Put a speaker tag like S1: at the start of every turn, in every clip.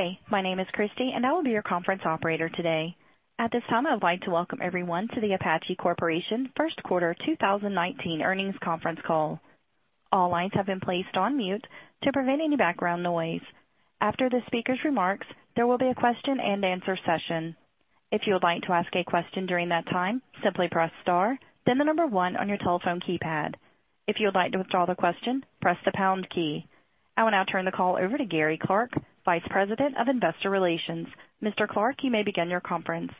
S1: Hey, my name is Christy, and I will be your conference operator today. At this time, I'd like to welcome everyone to the Apache Corporation first quarter 2019 earnings conference call. All lines have been placed on mute to prevent any background noise. After the speaker's remarks, there will be a question and answer session. If you would like to ask a question during that time, simply press star, then the number 1 on your telephone keypad. If you would like to withdraw the question, press the pound key. I will now turn the call over to Gary Clark, Vice President of Investor Relations. Mr. Clark, you may begin your conference.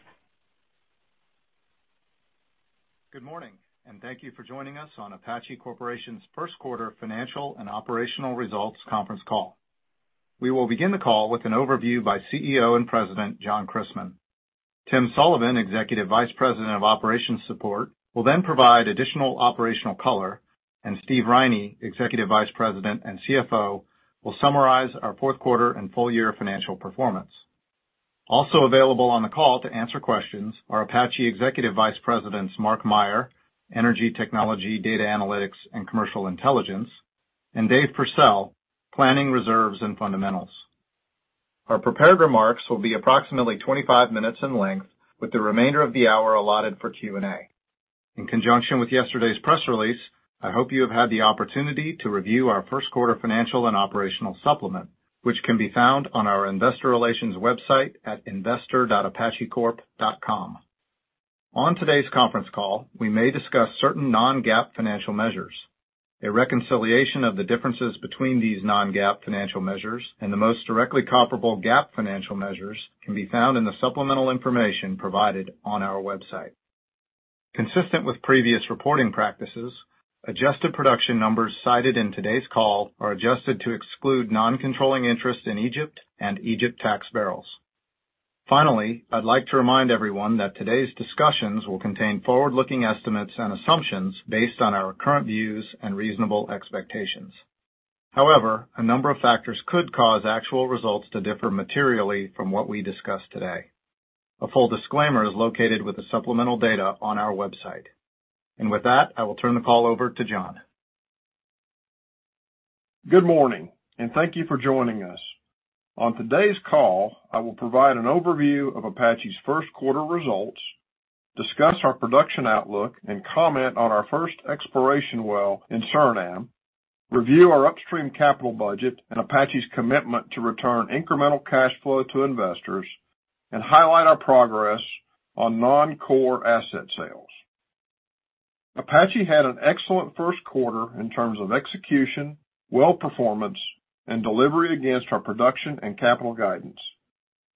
S2: Good morning, and thank you for joining us on Apache Corporation's first quarter financial and operational results conference call. We will begin the call with an overview by CEO and President, John Christmann. Tim Sullivan, Executive Vice President of Operations Support, will then provide additional operational color, and Steve Riney, Executive Vice President and CFO, will summarize our fourth quarter and full year financial performance. Also available on the call to answer questions are Apache Executive Vice Presidents Mark Meyer, Energy Technology, Data Analytics, and Commercial Intelligence, and Dave Pursell, Planning, Reserves and Fundamentals. Our prepared remarks will be approximately 25 minutes in length, with the remainder of the hour allotted for Q&A. In conjunction with yesterday's press release, I hope you have had the opportunity to review our first quarter financial and operational supplement, which can be found on our investor relations website at investor.apachecorp.com. On today's conference call, we may discuss certain non-GAAP financial measures. A reconciliation of the differences between these non-GAAP financial measures and the most directly comparable GAAP financial measures can be found in the supplemental information provided on our website. Consistent with previous reporting practices, adjusted production numbers cited in today's call are adjusted to exclude non-controlling interest in Egypt and Egypt tax barrels. Finally, I'd like to remind everyone that today's discussions will contain forward-looking estimates and assumptions based on our current views and reasonable expectations. However, a number of factors could cause actual results to differ materially from what we discuss today. A full disclaimer is located with the supplemental data on our website. With that, I will turn the call over to John.
S3: Good morning, and thank you for joining us. On today's call, I will provide an overview of Apache's first quarter results, discuss our production outlook, and comment on our first exploration well in Suriname, review our upstream capital budget and Apache's commitment to return incremental cash flow to investors, and highlight our progress on non-core asset sales. Apache had an excellent first quarter in terms of execution, well performance, and delivery against our production and capital guidance.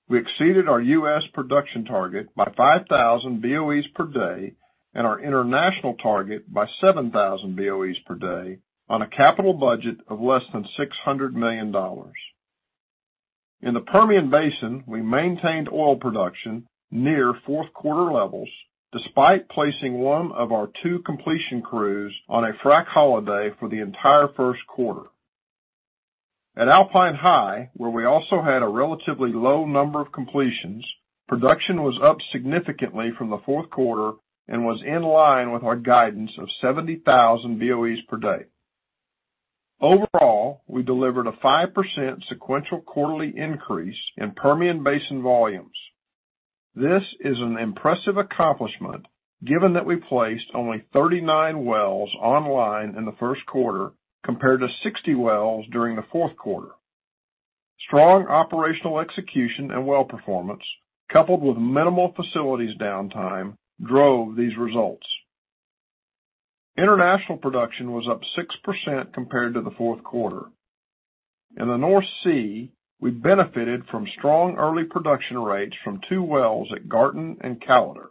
S3: We exceeded our U.S. production target by 5,000 BOEs per day and our international target by 7,000 BOEs per day on a capital budget of less than $600 million. In the Permian Basin, we maintained oil production near fourth quarter levels, despite placing one of our two completion crews on a frack holiday for the entire first quarter. At Alpine High, where we also had a relatively low number of completions, production was up significantly from the fourth quarter and was in line with our guidance of 70,000 BOEs per day. Overall, we delivered a 5% sequential quarterly increase in Permian Basin volumes. This is an impressive accomplishment given that we placed only 39 wells online in the first quarter, compared to 60 wells during the fourth quarter. Strong operational execution and well performance, coupled with minimal facilities downtime, drove these results. International production was up 6% compared to the fourth quarter. In the North Sea, we benefited from strong early production rates from two wells at Garten and Callater,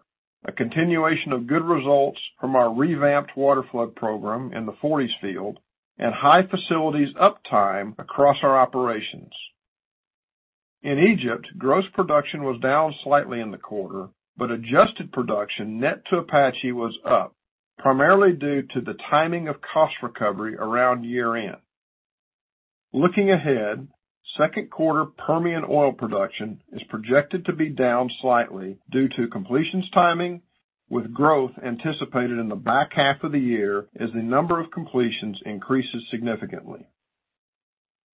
S3: a continuation of good results from our revamped water flood program in the Forties field, and high facilities uptime across our operations. In Egypt, gross production was down slightly in the quarter, but adjusted production net to Apache was up, primarily due to the timing of cost recovery around year-end. Looking ahead, second quarter Permian oil production is projected to be down slightly due to completions timing, with growth anticipated in the back half of the year as the number of completions increases significantly.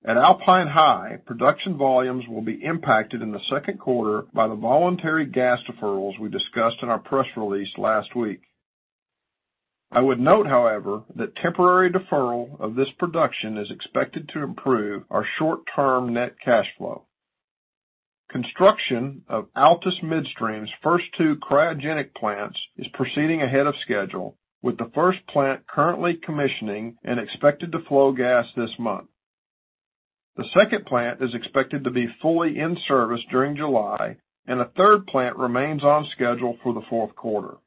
S3: At Alpine High, production volumes will be impacted in the second quarter by the voluntary gas deferrals we discussed in our press release last week. I would note, however, that temporary deferral of this production is expected to improve our short-term net cash flow. Construction of Altus Midstream's first two cryogenic plants is proceeding ahead of schedule, with the first plant currently commissioning and expected to flow gas this month. The second plant is expected to be fully in service during July, and a third plant remains on schedule for the fourth quarter.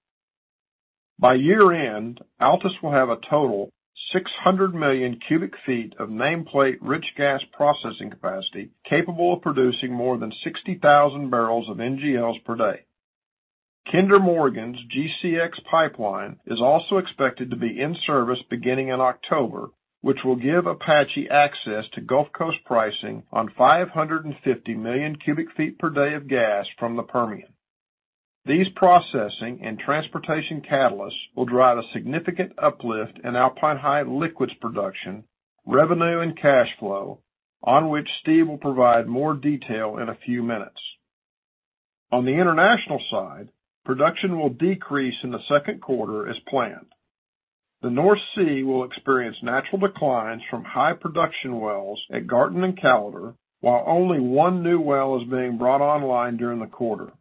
S3: By year-end, Altus will have a total 600 million cubic feet of nameplate rich gas processing capacity capable of producing more than 60,000 barrels of NGLs per day. Kinder Morgan's GCX pipeline is also expected to be in service beginning in October, which will give Apache access to Gulf Coast pricing on 550 million cubic feet per day of gas from the Permian. These processing and transportation catalysts will drive a significant uplift in Alpine High liquids production, revenue, and cash flow, on which Steve will provide more detail in a few minutes. On the international side, production will decrease in the second quarter as planned. The North Sea will experience natural declines from high production wells at Garten and Callater, while only one new well is being brought online during the quarter.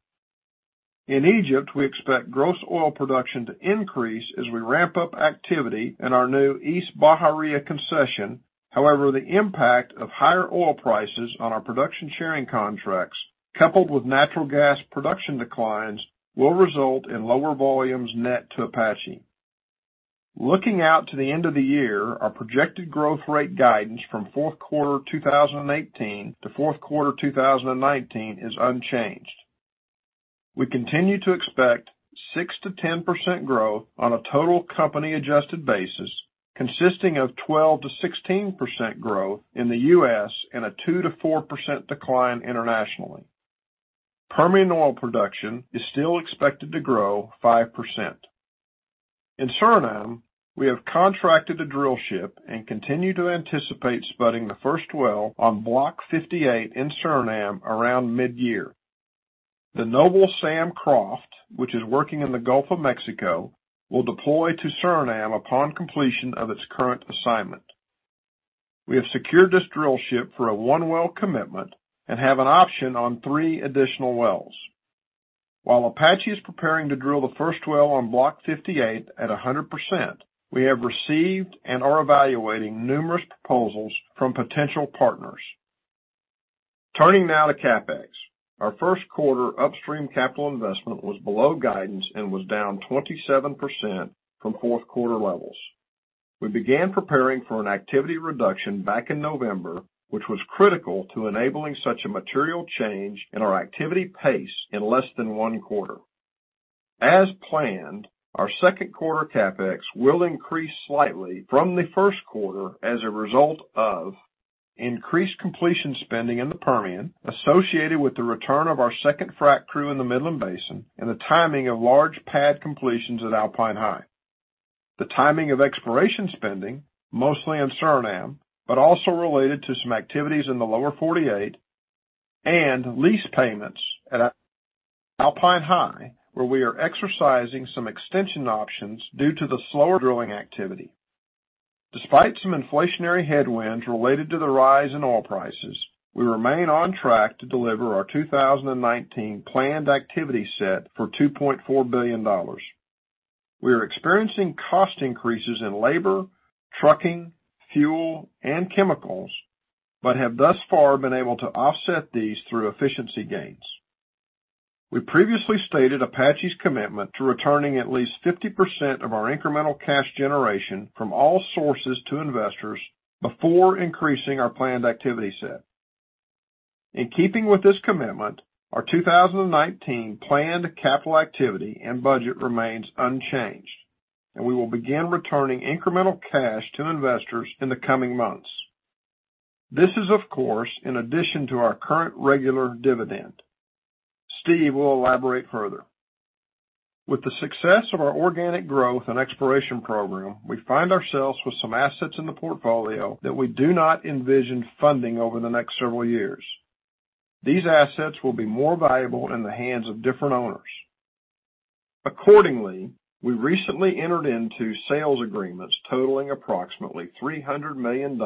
S3: In Egypt, we expect gross oil production to increase as we ramp up activity in our new East Bahariya concession. However, the impact of higher oil prices on our production-sharing contracts, coupled with natural gas production declines, will result in lower volumes net to Apache. Looking out to the end of the year, our projected growth rate guidance from fourth quarter 2018 to fourth quarter 2019 is unchanged. We continue to expect 6%-10% growth on a total company adjusted basis, consisting of 12%-16% growth in the U.S. and a 2%-4% decline internationally. Permian oil production is still expected to grow 5%. In Suriname, we have contracted a drill ship and continue to anticipate spudding the first well on Block 58 in Suriname around mid-year. The Noble Sam Croft, which is working in the Gulf of Mexico, will deploy to Suriname upon completion of its current assignment. We have secured this drill ship for a one-well commitment and have an option on three additional wells. While Apache is preparing to drill the first well on Block 58 at 100%, we have received and are evaluating numerous proposals from potential partners. Turning now to CapEx. Our first quarter upstream capital investment was below guidance and was down 27% from fourth quarter levels. We began preparing for an activity reduction back in November, which was critical to enabling such a material change in our activity pace in less than one quarter. As planned, our second quarter CapEx will increase slightly from the first quarter as a result of increased completion spending in the Permian associated with the return of our second frack crew in the Midland Basin and the timing of large pad completions at Alpine High. The timing of exploration spending, mostly in Suriname, but also related to some activities in the Lower 48, and lease payments at Alpine High, where we are exercising some extension options due to the slower drilling activity. Despite some inflationary headwinds related to the rise in oil prices, we remain on track to deliver our 2019 planned activity set for $2.4 billion. We are experiencing cost increases in labor, trucking, fuel, and chemicals, but have thus far been able to offset these through efficiency gains. We previously stated Apache's commitment to returning at least 50% of our incremental cash generation from all sources to investors before increasing our planned activity set. In keeping with this commitment, our 2019 planned capital activity and budget remains unchanged, and we will begin returning incremental cash to investors in the coming months. This is, of course, in addition to our current regular dividend. Steve will elaborate further. With the success of our organic growth and exploration program, we find ourselves with some assets in the portfolio that we do not envision funding over the next several years. These assets will be more valuable in the hands of different owners. Accordingly, we recently entered into sales agreements totaling approximately $300 million,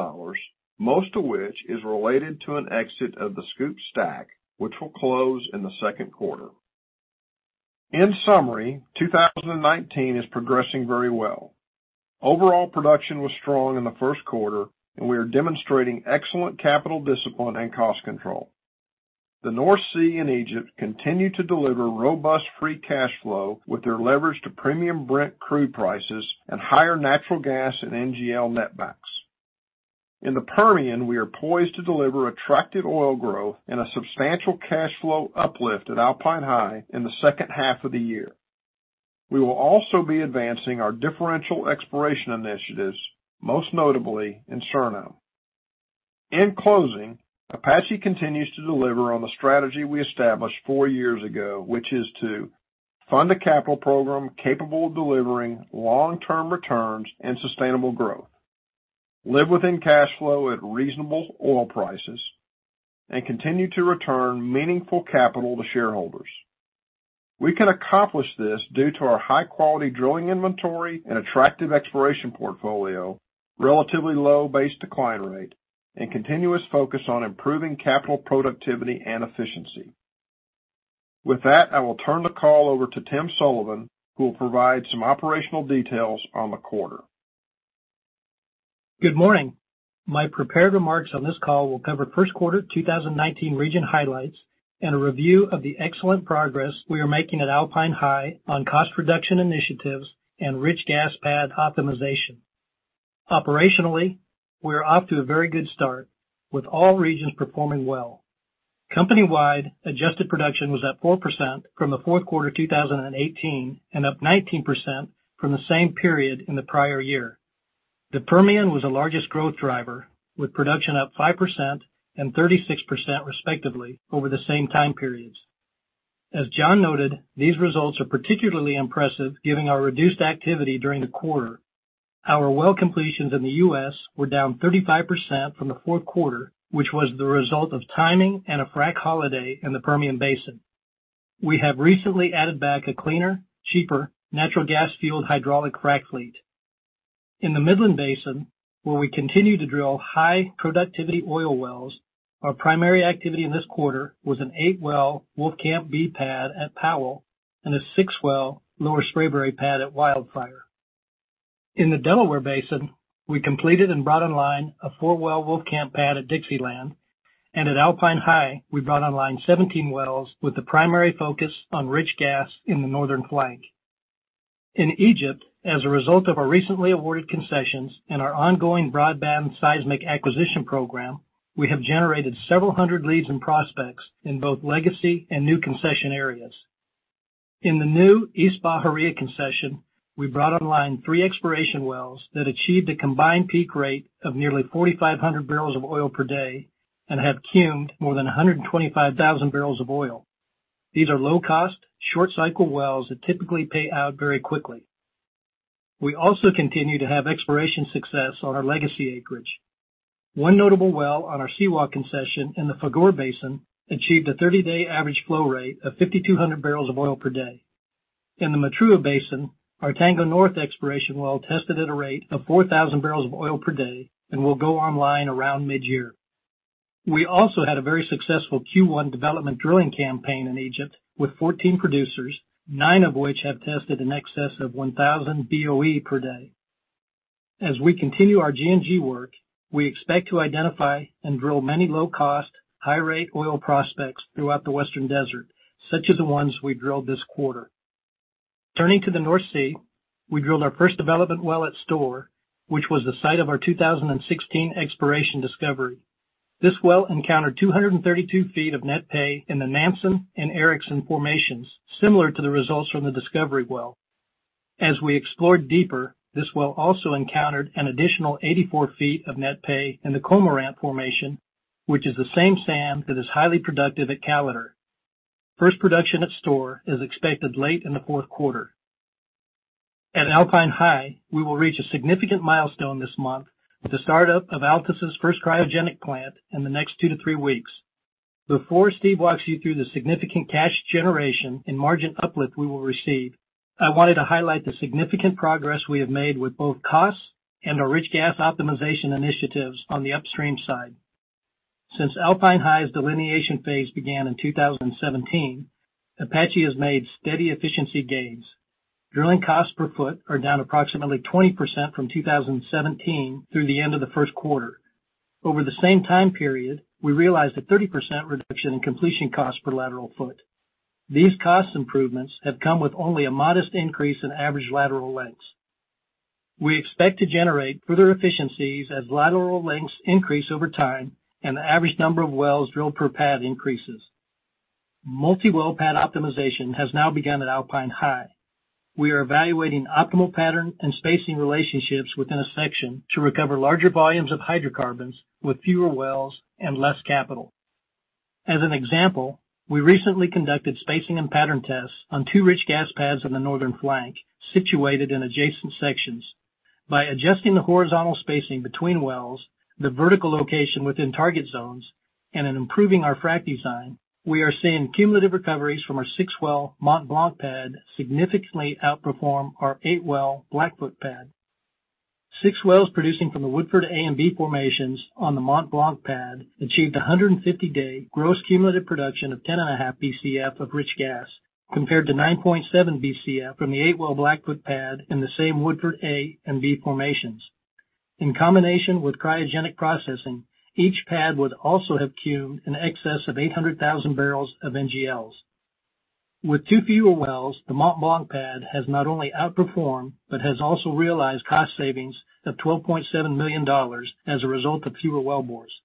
S3: most of which is related to an exit of the SCOOP/STACK, which will close in the second quarter. In summary, 2019 is progressing very well. Overall production was strong in the first quarter, and we are demonstrating excellent capital discipline and cost control. The North Sea and Egypt continue to deliver robust free cash flow with their leverage to premium Brent crude prices and higher natural gas and NGL netbacks. In the Permian, we are poised to deliver attractive oil growth and a substantial cash flow uplift at Alpine High in the second half of the year. We will also be advancing our differential exploration initiatives, most notably in Suriname. In closing, Apache continues to deliver on the strategy we established four years ago, which is to fund a capital program capable of delivering long-term returns and sustainable growth, live within cash flow at reasonable oil prices, and continue to return meaningful capital to shareholders. We can accomplish this due to our high-quality drilling inventory and attractive exploration portfolio, relatively low base decline rate, and continuous focus on improving capital productivity and efficiency. With that, I will turn the call over to Tim Sullivan, who will provide some operational details on the quarter.
S4: Good morning. My prepared remarks on this call will cover first quarter 2019 region highlights and a review of the excellent progress we are making at Alpine High on cost reduction initiatives and rich gas pad optimization. Operationally, we are off to a very good start, with all regions performing well. Company-wide adjusted production was at 4% from the fourth quarter 2018 and up 19% from the same period in the prior year. The Permian was the largest growth driver, with production up 5% and 36% respectively over the same time periods. As John noted, these results are particularly impressive given our reduced activity during the quarter. Our well completions in the U.S. were down 35% from the fourth quarter, which was the result of timing and a frack holiday in the Permian Basin. We have recently added back a cleaner, cheaper natural gas-fueled hydraulic frac fleet. In the Midland Basin, where we continue to drill high-productivity oil wells, our primary activity in this quarter was an eight-well Wolfcamp B pad at Powell and a six-well Lower Spraberry pad at Wildfire. In the Delaware Basin, we completed and brought online a four-well Wolfcamp pad at Dixieland, and at Alpine High, we brought online 17 wells with the primary focus on rich gas in the northern flank. In Egypt, as a result of our recently awarded concessions and our ongoing broadband seismic acquisition program, we have generated several hundred leads and prospects in both legacy and new concession areas. In the new East Bahariya concession, we brought online three exploration wells that achieved a combined peak rate of nearly 4,500 barrels of oil per day and have cummed more than 125,000 barrels of oil. These are low-cost, short-cycle wells that typically pay out very quickly. We also continue to have exploration success on our legacy acreage. One notable well on our Siwa concession in the Fayoum Basin achieved a 30-day average flow rate of 5,200 barrels of oil per day. In the Matruh Basin, our Tango North exploration well tested at a rate of 4,000 barrels of oil per day and will go online around mid-year. We also had a very successful Q1 development drilling campaign in Egypt with 14 producers, nine of which have tested in excess of 1,000 BOE per day. As we continue our G&G work, we expect to identify and drill many low-cost, high-rate oil prospects throughout the Western Desert, such as the ones we drilled this quarter. Turning to the North Sea, we drilled our first development well at Storr, which was the site of our 2016 exploration discovery. This well encountered 232 feet of net pay in the Maureen and Eiriksson formations, similar to the results from the discovery well. As we explored deeper, this well also encountered an additional 84 feet of net pay in the Cormorant formation, which is the same sand that is highly productive at Callater. First production at Storr is expected late in the fourth quarter. At Alpine High, we will reach a significant milestone this month with the startup of Altus' first cryogenic plant in the next two to three weeks. Before Steve walks you through the significant cash generation and margin uplift we will receive, I wanted to highlight the significant progress we have made with both costs and our rich gas optimization initiatives on the upstream side. Since Alpine High's delineation phase began in 2017, Apache has made steady efficiency gains. Drilling costs per foot are down approximately 20% from 2017 through the end of the first quarter. Over the same time period, we realized a 30% reduction in completion costs per lateral foot. These cost improvements have come with only a modest increase in average lateral lengths. We expect to generate further efficiencies as lateral lengths increase over time and the average number of wells drilled per pad increases. Multi-well pad optimization has now begun at Alpine High. We are evaluating optimal pattern and spacing relationships within a section to recover larger volumes of hydrocarbons with fewer wells and less capital. As an example, we recently conducted spacing and pattern tests on two rich gas pads on the northern flank, situated in adjacent sections. By adjusting the horizontal spacing between wells, the vertical location within target zones, and in improving our frack design, we are seeing cumulative recoveries from our six-well Mont Blanc pad significantly outperform our eight-well Blackfoot pad. Six wells producing from the Woodford A and B formations on the Mont Blanc pad achieved 150-day gross cumulative production of 10.5 Bcf of rich gas, compared to 9.7 Bcf from the eight-well Blackfoot pad in the same Woodford A and B formations. In combination with cryogenic processing, each pad would also have cummed in excess of 800,000 barrels of NGLs. With two fewer wells, the Mont Blanc pad has not only outperformed, but has also realized cost savings of $12.7 million as a result of fewer well bores.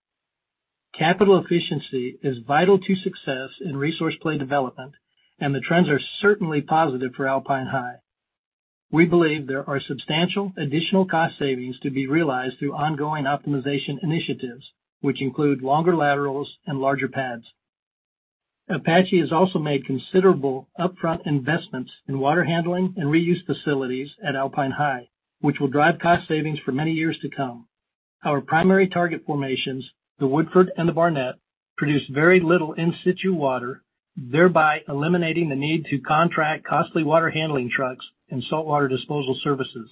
S4: Capital efficiency is vital to success in resource play development, and the trends are certainly positive for Alpine High. We believe there are substantial additional cost savings to be realized through ongoing optimization initiatives, which include longer laterals and larger pads. Apache has also made considerable upfront investments in water handling and reuse facilities at Alpine High, which will drive cost savings for many years to come. Our primary target formations, the Woodford and the Barnett, produce very little in-situ water, thereby eliminating the need to contract costly water handling trucks and saltwater disposal services.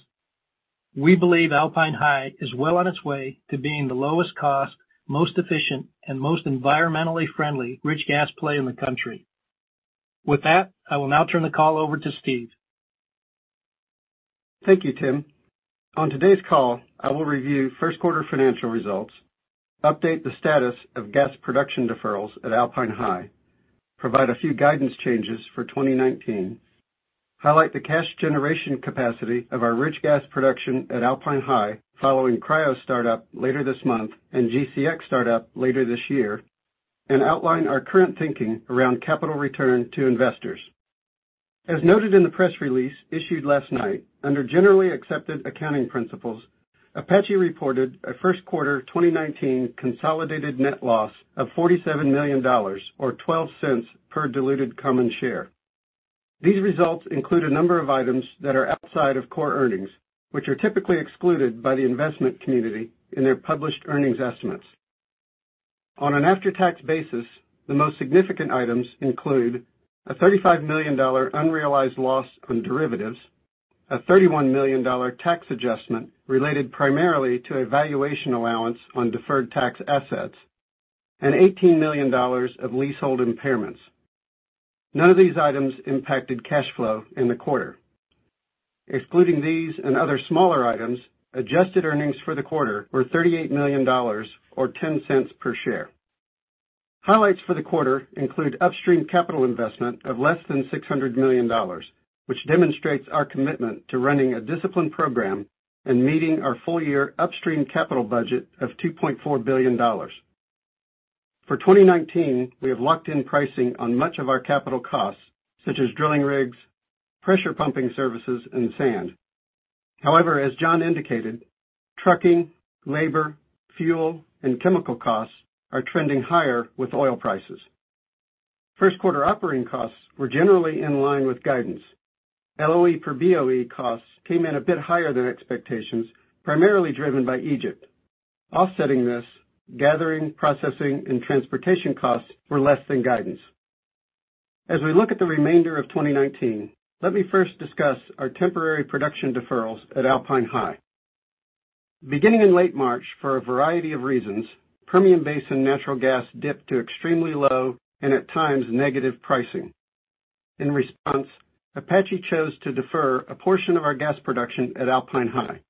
S4: We believe Alpine High is well on its way to being the lowest cost, most efficient, and most environmentally friendly rich gas play in the country. With that, I will now turn the call over to Steve.
S5: Thank you, Tim. On today's call, I will review first quarter financial results, update the status of gas production deferrals at Alpine High, provide a few guidance changes for 2019, highlight the cash generation capacity of our rich gas production at Alpine High following cryo startup later this month and GCX startup later this year, and outline our current thinking around capital return to investors. As noted in the press release issued last night, under generally accepted accounting principles, Apache reported a first quarter 2019 consolidated net loss of $47 million, or $0.12 per diluted common share. These results include a number of items that are outside of core earnings, which are typically excluded by the investment community in their published earnings estimates. On an after-tax basis, the most significant items include a $35 million unrealized loss on derivatives, a $31 million tax adjustment related primarily to a valuation allowance on deferred tax assets, and $18 million of leasehold impairments. None of these items impacted cash flow in the quarter. Excluding these and other smaller items, adjusted earnings for the quarter were $38 million, or $0.10 per share. Highlights for the quarter include upstream capital investment of less than $600 million, which demonstrates our commitment to running a disciplined program and meeting our full-year upstream capital budget of $2.4 billion. For 2019, we have locked in pricing on much of our capital costs, such as drilling rigs, pressure pumping services, and sand. However, as John indicated, trucking, labor, fuel, and chemical costs are trending higher with oil prices. First quarter operating costs were generally in line with guidance. LOE per BOE costs came in a bit higher than expectations, primarily driven by Egypt. Offsetting this, gathering, processing, and transportation costs were less than guidance. As we look at the remainder of 2019, let me first discuss our temporary production deferrals at Alpine High. Beginning in late March, for a variety of reasons, Permian Basin natural gas dipped to extremely low, and at times, negative pricing. In response, Apache chose to defer a portion of our gas production at Alpine High.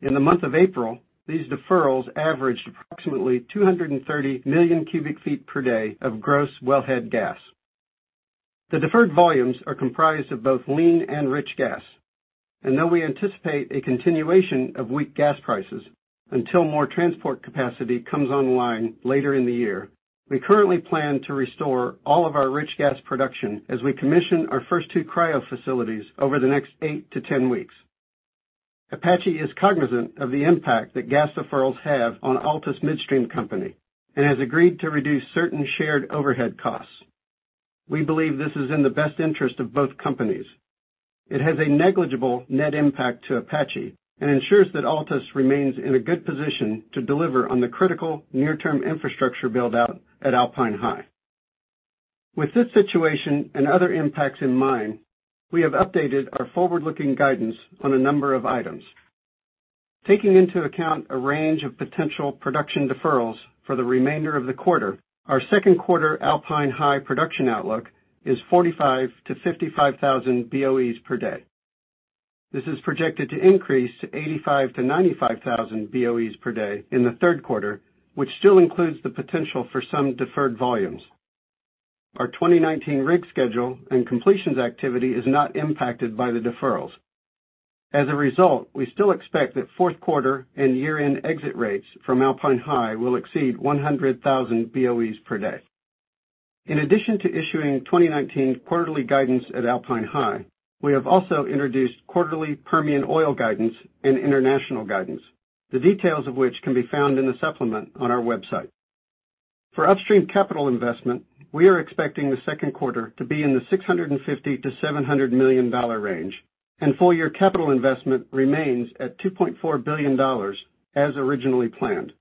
S5: In the month of April, these deferrals averaged approximately 230 million cubic feet per day of gross wellhead gas. The deferred volumes are comprised of both lean and rich gas, and though we anticipate a continuation of weak gas prices until more transport capacity comes online later in the year, we currently plan to restore all of our rich gas production as we commission our first two cryo facilities over the next eight to 10 weeks. Apache is cognizant of the impact that gas deferrals have on Altus Midstream Company and has agreed to reduce certain shared overhead costs. We believe this is in the best interest of both companies. It has a negligible net impact to Apache and ensures that Altus remains in a good position to deliver on the critical near-term infrastructure build-out at Alpine High. With this situation and other impacts in mind, we have updated our forward-looking guidance on a number of items. Taking into account a range of potential production deferrals for the remainder of the quarter, our second quarter Alpine High production outlook is 45,000 to 55,000 BOEs per day. This is projected to increase to 85,000 to 95,000 BOEs per day in the third quarter, which still includes the potential for some deferred volumes. Our 2019 rig schedule and completions activity is not impacted by the deferrals. As a result, we still expect that fourth quarter and year-end exit rates from Alpine High will exceed 100,000 BOEs per day. In addition to issuing 2019 quarterly guidance at Alpine High, we have also introduced quarterly Permian oil guidance and international guidance, the details of which can be found in the supplement on our website. For upstream capital investment, we are expecting the second quarter to be in the $650 million to $700 million range, full-year capital investment remains at $2.4 billion as originally planned.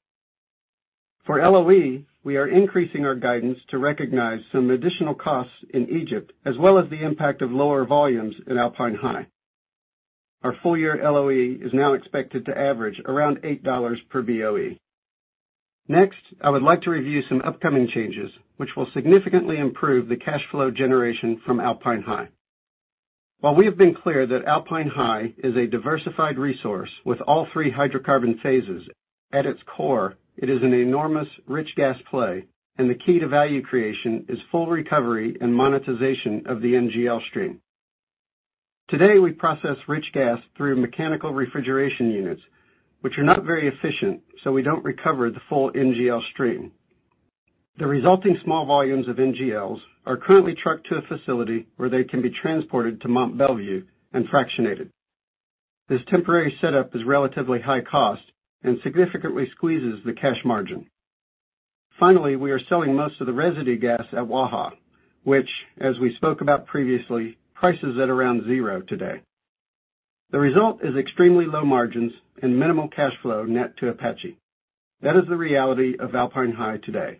S5: For LOE, we are increasing our guidance to recognize some additional costs in Egypt, as well as the impact of lower volumes at Alpine High. Our full-year LOE is now expected to average around $8 per BOE. Next, I would like to review some upcoming changes, which will significantly improve the cash flow generation from Alpine High. While we have been clear that Alpine High is a diversified resource with all three hydrocarbon phases, at its core, it is an enormous rich gas play, and the key to value creation is full recovery and monetization of the NGL stream. Today, we process rich gas through mechanical refrigeration units, which are not very efficient, we don't recover the full NGL stream. The resulting small volumes of NGLs are currently trucked to a facility where they can be transported to Mont Belvieu and fractionated. This temporary setup is relatively high cost and significantly squeezes the cash margin. Finally, we are selling most of the residue gas at Waha, which, as we spoke about previously, prices at around zero today. The result is extremely low margins and minimal cash flow net to Apache. That is the reality of Alpine High today.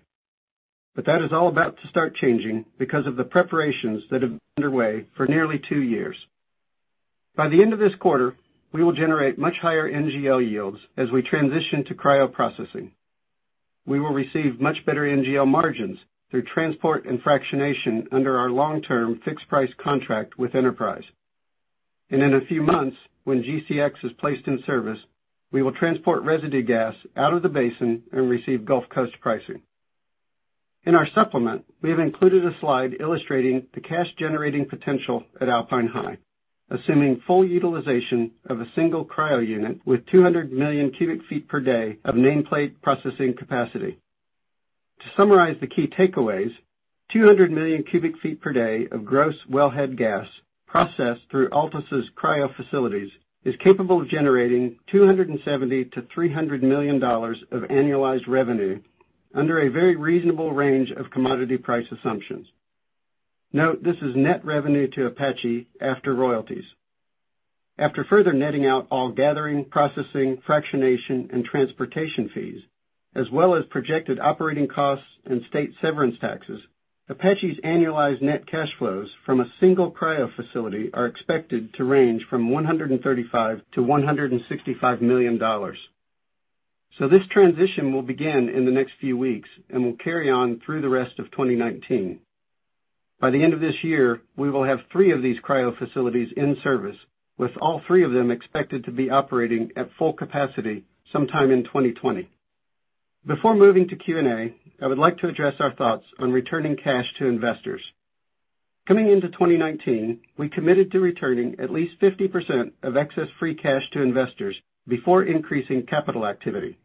S5: That is all about to start changing because of the preparations that have been underway for nearly two years. By the end of this quarter, we will generate much higher NGL yields as we transition to cryo processing. We will receive much better NGL margins through transport and fractionation under our long-term fixed price contract with Enterprise. In a few months, when GCX is placed in service, we will transport residue gas out of the basin and receive Gulf Coast pricing. In our supplement, we have included a slide illustrating the cash-generating potential at Alpine High, assuming full utilization of a single cryo unit with 200 million cubic feet per day of nameplate processing capacity. To summarize the key takeaways, 200 million cubic feet per day of gross wellhead gas processed through Altus's cryo facilities is capable of generating $270 million to $300 million of annualized revenue under a very reasonable range of commodity price assumptions. Note, this is net revenue to Apache after royalties. After further netting out all gathering, processing, fractionation, and transportation fees, as well as projected operating costs and state severance taxes, Apache's annualized net cash flows from a single cryo facility are expected to range from $135 million-$165 million. This transition will begin in the next few weeks and will carry on through the rest of 2019. By the end of this year, we will have three of these cryo facilities in service, with all three of them expected to be operating at full capacity sometime in 2020. Before moving to Q&A, I would like to address our thoughts on returning cash to investors. Coming into 2019, we committed to returning at least 50% of excess free cash to investors before increasing capital activity.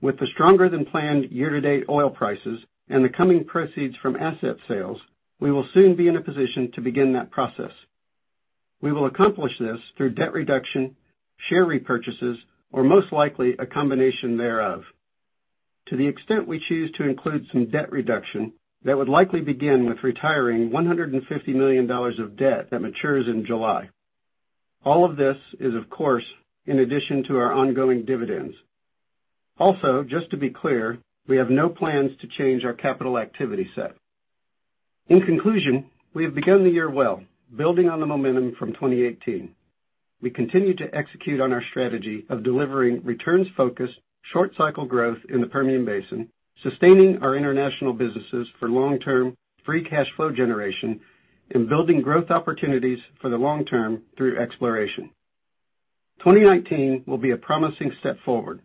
S5: With the stronger than planned year-to-date oil prices and the coming proceeds from asset sales, we will soon be in a position to begin that process. We will accomplish this through debt reduction, share repurchases, or most likely, a combination thereof. To the extent we choose to include some debt reduction, that would likely begin with retiring $150 million of debt that matures in July. All of this is, of course, in addition to our ongoing dividends. Just to be clear, we have no plans to change our capital activity set. We have begun the year well, building on the momentum from 2018. We continue to execute on our strategy of delivering returns-focused, short-cycle growth in the Permian Basin, sustaining our international businesses for long-term free cash flow generation, and building growth opportunities for the long term through exploration. 2019 will be a promising step forward.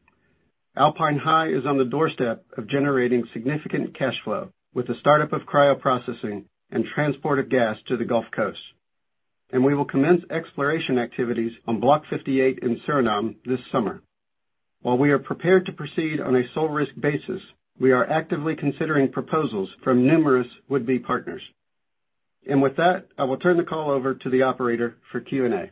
S5: Alpine High is on the doorstep of generating significant cash flow with the startup of cryo processing and transport of gas to the Gulf Coast. We will commence exploration activities on Block 58 in Suriname this summer. While we are prepared to proceed on a sole-risk basis, we are actively considering proposals from numerous would-be partners. With that, I will turn the call over to the operator for Q&A.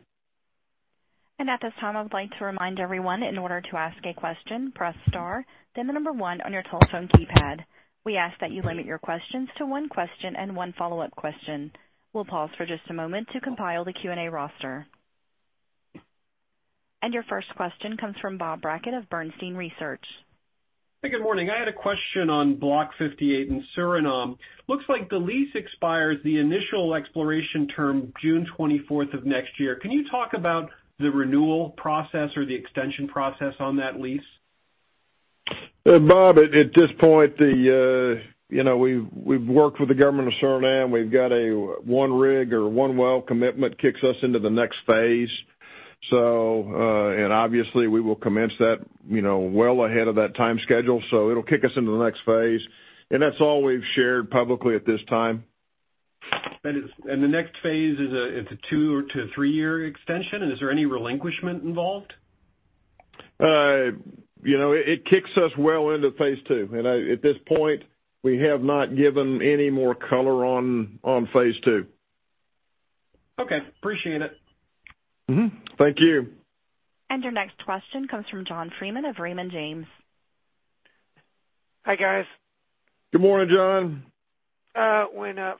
S1: At this time, I would like to remind everyone, in order to ask a question, press star, then the number one on your telephone keypad. We ask that you limit your questions to one question and one follow-up question. We'll pause for just a moment to compile the Q&A roster. Your first question comes from Bob Brackett of Bernstein Research.
S6: Hey, good morning. I had a question on Block 58 in Suriname. Looks like the lease expires the initial exploration term June 24th of next year. Can you talk about the renewal process or the extension process on that lease?
S3: Bob, at this point, we've worked with the government of Suriname. We've got a one rig or one well commitment kicks us into the next phase. Obviously, we will commence that well ahead of that time schedule. It'll kick us into the next phase. That's all we've shared publicly at this time.
S6: The next phase, it's a two to three-year extension? Is there any relinquishment involved?
S3: It kicks us well into phase two. At this point, we have not given any more color on phase two.
S6: Okay. Appreciate it.
S3: Mm-hmm. Thank you.
S1: Your next question comes from John Freeman of Raymond James.
S7: Hi, guys.
S3: Good morning, John.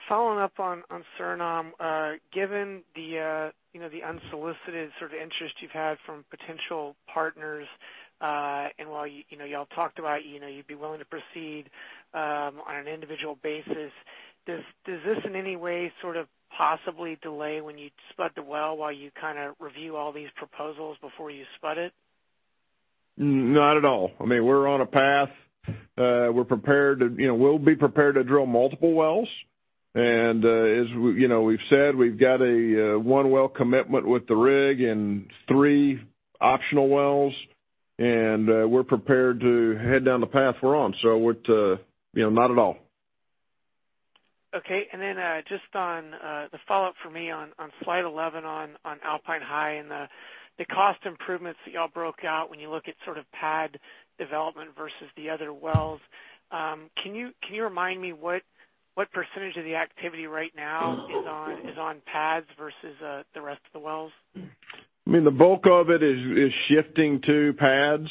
S7: Following up on Suriname, given the unsolicited sort of interest you've had from potential partners, while you all talked about you'd be willing to proceed on an individual basis, does this in any way sort of possibly delay when you spud the well while you kind of review all these proposals before you spud it?
S3: Not at all. We're on a path. We'll be prepared to drill multiple wells. As we've said, we've got a one well commitment with the rig and three optional wells, we're prepared to head down the path we're on. Not at all.
S7: Okay. Just on the follow-up for me on slide 11 on Alpine High and the cost improvements that you all broke out when you look at sort of pad development versus the other wells. Can you remind me what % of the activity right now is on pads versus the rest of the wells?
S3: The bulk of it is shifting to pads.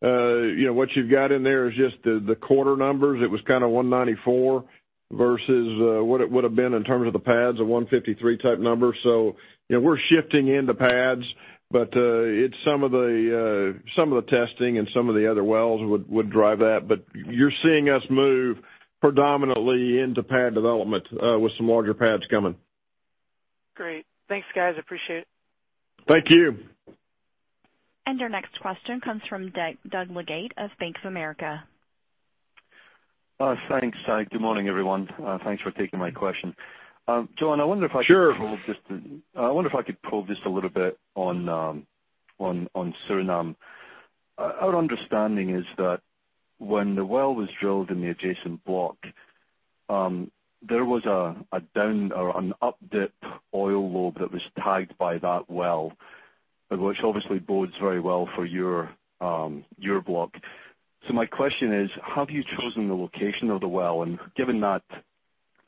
S3: What you've got in there is just the quarter numbers. It was kind of 194 versus what it would've been in terms of the pads, a 153 type number. We're shifting into pads, but some of the testing and some of the other wells would drive that. You're seeing us move predominantly into pad development with some larger pads coming.
S7: Great. Thanks, guys. Appreciate it.
S3: Thank you.
S1: Our next question comes from Doug Leggate of Bank of America.
S8: Thanks. Good morning, everyone. Thanks for taking my question. John, I wonder if I could
S3: Sure
S8: probe just a little bit on Suriname. Our understanding is that when the well was drilled in the adjacent block, there was an updip oil lobe that was tagged by that well, which obviously bodes very well for your block. My question is, have you chosen the location of the well? Given that,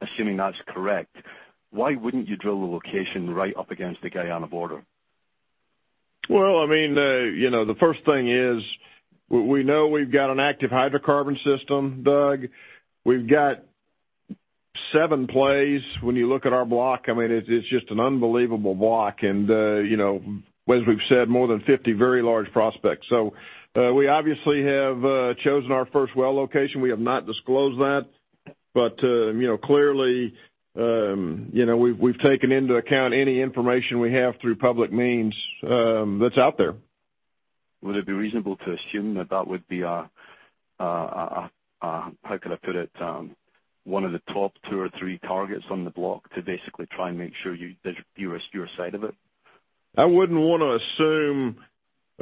S8: assuming that's correct, why wouldn't you drill the location right up against the Guyana border?
S3: Well, the first thing is we know we've got an active hydrocarbon system, Doug. We've got seven plays when you look at our block. It's just an unbelievable block and as we've said, more than 50 very large prospects. We obviously have chosen our first well location. We have not disclosed that, but clearly, we've taken into account any information we have through public means that's out there.
S8: Would it be reasonable to assume that would be, how can I put it? One of the top two or three targets on the block to basically try and make sure you de-risk your side of it?
S3: I wouldn't want to assume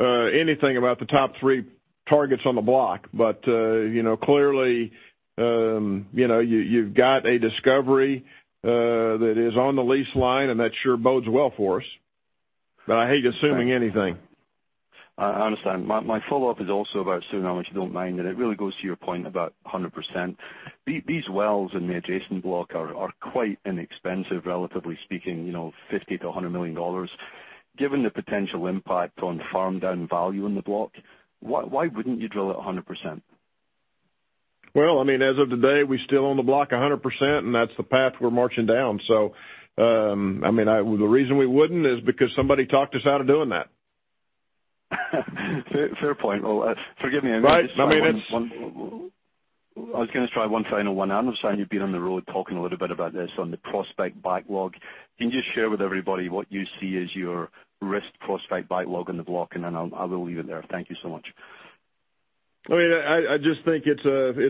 S3: anything about the top three targets on the block. Clearly, you've got a discovery that is on the lease line, and that sure bodes well for us. I hate assuming anything.
S8: I understand. My follow-up is also about assuming, I'm not sure you don't mind, and it really goes to your point about 100%. These wells in the adjacent block are quite inexpensive, relatively speaking, $50 million-$100 million. Given the potential impact on farm down value in the block, why wouldn't you drill it 100%?
S3: Well, as of today, we still own the block 100%, and that's the path we're marching down. The reason we wouldn't is because somebody talked us out of doing that.
S8: Fair point. Well, forgive me.
S3: Right. I mean.
S8: I was going to try one final one. I understand you've been on the road talking a little bit about this on the prospect backlog. Can you just share with everybody what you see as your risk prospect backlog on the block, and then I will leave it there. Thank you so much.
S3: I just think it's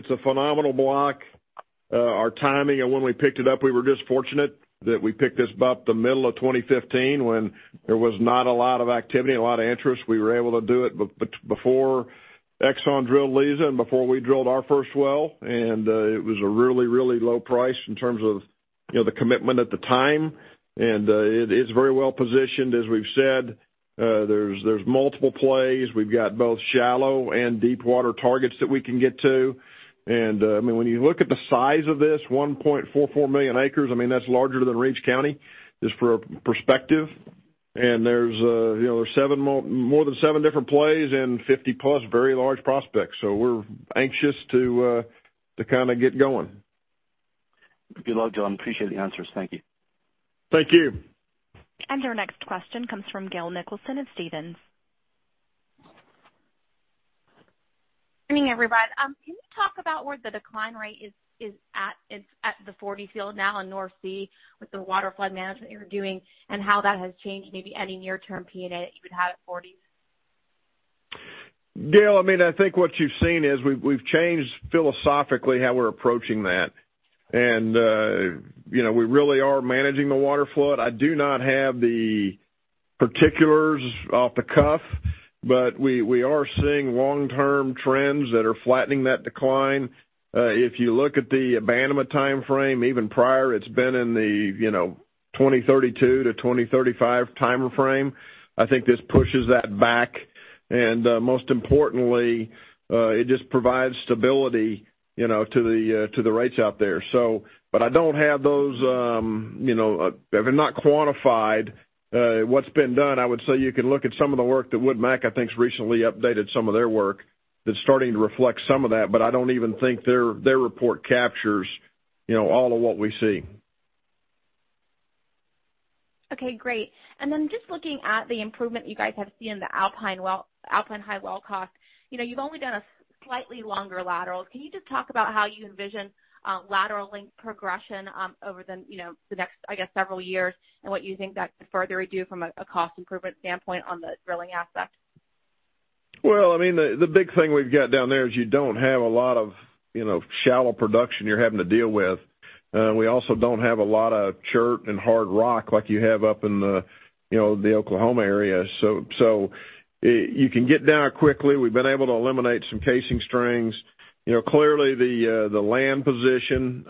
S3: a phenomenal block. Our timing of when we picked it up, we were just fortunate that we picked this about the middle of 2015 when there was not a lot of activity and a lot of interest. We were able to do it before Exxon drilled Liza and before we drilled our first well. It was a really low price in terms of the commitment at the time. It is very well positioned, as we've said. There's multiple plays. We've got both shallow and deepwater targets that we can get to. When you look at the size of this, 1.44 million acres, that's larger than Reeves County, just for perspective. There's more than seven different plays and 50 plus very large prospects. We're anxious to get going.
S8: Good luck, y'all. I appreciate the answers. Thank you.
S3: Thank you.
S1: Our next question comes from Gail Nicholson of Stephens.
S9: Morning, everyone. Can you talk about where the decline rate is at the Forties field now in North Sea with the water flood management you're doing, and how that has changed maybe any near-term P&A that you would have at Forties?
S3: Gail, I think what you've seen is we've changed philosophically how we're approaching that. We really are managing the water flood. I do not have the particulars off the cuff, but we are seeing long-term trends that are flattening that decline. If you look at the abandonment timeframe, even prior, it's been in the 2032-2035 timeframe. I think this pushes that back, and most importantly, it just provides stability to the rates out there. I don't have those. They're not quantified. What's been done, I would say you can look at some of the work that Wood Mackenzie, I think, has recently updated some of their work that's starting to reflect some of that, but I don't even think their report captures all of what we see.
S9: Okay, great. Just looking at the improvement you guys have seen in the Alpine High well cost. You've only done a slightly longer lateral. Can you just talk about how you envision lateral length progression over the next, I guess, several years and what you think that could further do from a cost improvement standpoint on the drilling aspect?
S3: Well, the big thing we've got down there is you don't have a lot of shallow production you're having to deal with. We also don't have a lot of chert and hard rock like you have up in the Oklahoma area. You can get down there quickly. We've been able to eliminate some casing strings. Clearly the land position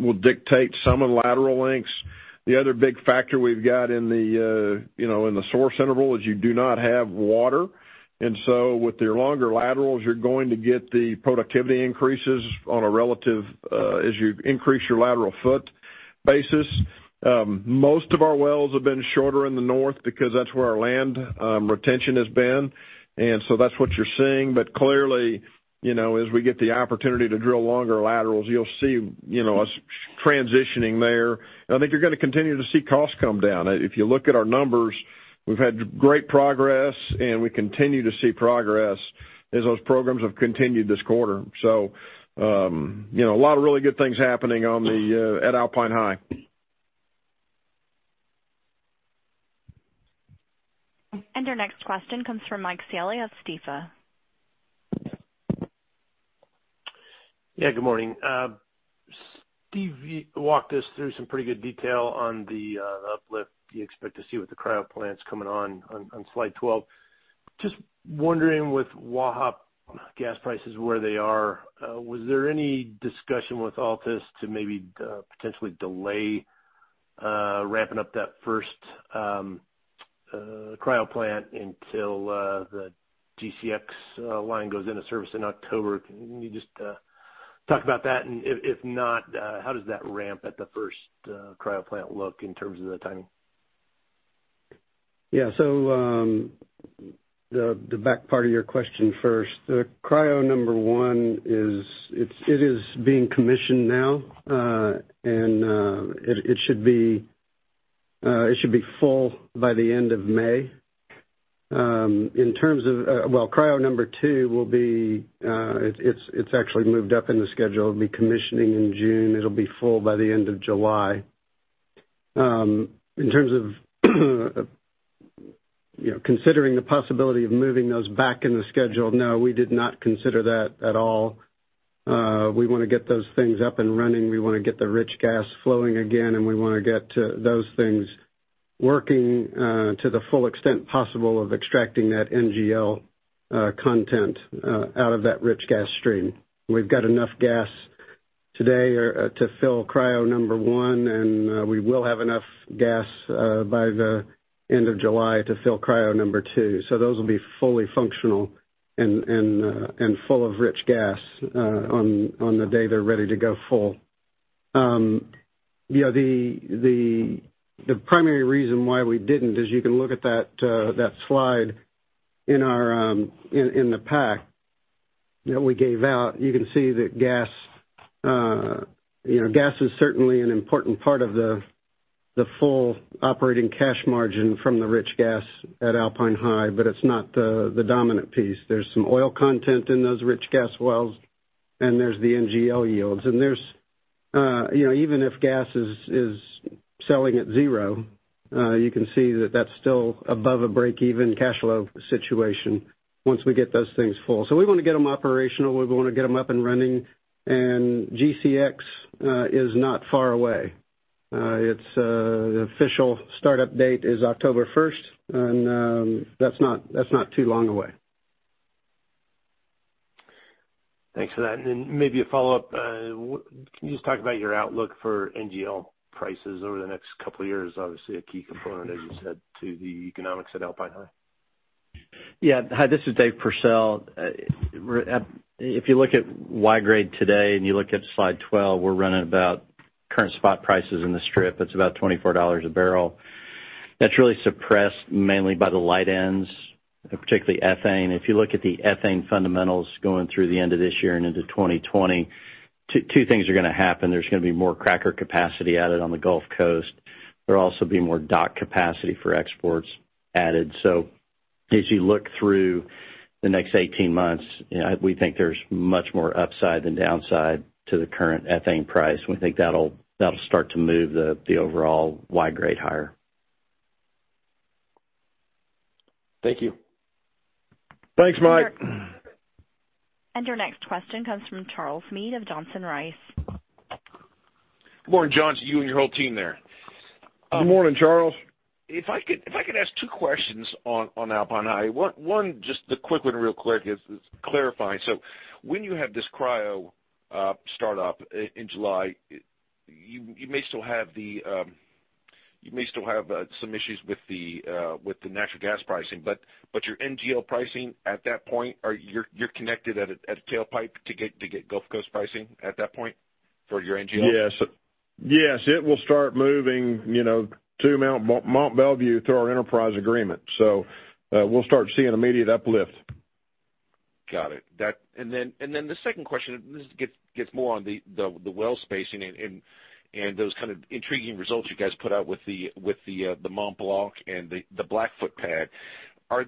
S3: will dictate some of the lateral lengths. The other big factor we've got in the source interval is you do not have water, with your longer laterals, you're going to get the productivity increases on a relative as you increase your lateral foot basis. Most of our wells have been shorter in the north because that's where our land retention has been, that's what you're seeing. Clearly, as we get the opportunity to drill longer laterals, you'll see us transitioning there. I think you're going to continue to see costs come down. If you look at our numbers, we've had great progress, and we continue to see progress as those programs have continued this quarter. A lot of really good things happening at Alpine High.
S1: Our next question comes from Michael Scialla of Stifel.
S10: Yeah. Good morning. Steve walked us through some pretty good detail on the uplift you expect to see with the cryo plants coming on slide 12. Just wondering, with Waha gas prices where they are, was there any discussion with Altus to maybe potentially delay ramping up that first cryo plant until the GCX line goes into service in October? Can you just talk about that? If not, how does that ramp at the first cryo plant look in terms of the timing?
S5: Yeah. The back part of your question first. The cryo number 1 is being commissioned now, and it should be full by the end of May. Well, cryo number 2, it's actually moved up in the schedule. It'll be commissioning in June. It'll be full by the end of July. In terms of considering the possibility of moving those back in the schedule, no, we did not consider that at all. We want to get those things up and running. We want to get the rich gas flowing again, and we want to get those things working to the full extent possible of extracting that NGL content out of that rich gas stream. We've got enough gas today to fill cryo number 1, and we will have enough gas by the end of July to fill cryo number 2. Those will be fully functional and full of rich gas on the day they're ready to go full. The primary reason why we didn't is you can look at that slide in the pack that we gave out. You can see that gas is certainly an important part of the full operating cash margin from the rich gas at Alpine High, but it's not the dominant piece. There's some oil content in those rich gas wells, and there's the NGL yields. Even if gas is selling at zero, you can see that that's still above a break-even cash flow situation once we get those things full. We want to get them operational. We want to get them up and running. GCX is not far away. Its official startup date is October 1st, and that's not too long away.
S10: Thanks for that. Maybe a follow-up. Can you just talk about your outlook for NGL prices over the next couple of years? Obviously, a key component, as you said, to the economics at Alpine High.
S11: Yeah. Hi, this is Dave Pursell. If you look at Y-grade today and you look at slide 12, we're running about current spot prices in the strip. It's about $24 a barrel. That's really suppressed mainly by the light ends, particularly ethane. If you look at the ethane fundamentals going through the end of this year and into 2020, two things are going to happen. There's going to be more cracker capacity added on the Gulf Coast. There will also be more dock capacity for exports added. As you look through the next 18 months, we think there's much more upside than downside to the current ethane price. We think that'll start to move the overall Y-grade higher.
S10: Thank you.
S3: Thanks, Mike.
S1: Our next question comes from Charles Meade of Johnson Rice.
S12: Good morning, John, to you and your whole team there.
S3: Good morning, Charles.
S12: If I could ask two questions on Alpine High. One, just the quick one real quick is clarifying. When you have this cryo start up in July, you may still have some issues with the natural gas pricing, but your NGL pricing at that point, you're connected at a tailpipe to get Gulf Coast pricing at that point for your NGL?
S3: Yes. It will start moving to Mont Belvieu through our enterprise agreement. We'll start seeing immediate uplift.
S12: Got it. The second question, this gets more on the well spacing and those kind of intriguing results you guys put out with the Mont Blanc and the Blackfoot pad. I